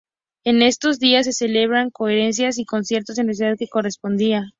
En estos días se celebraban conferencias y conciertos en la ciudad que correspondía.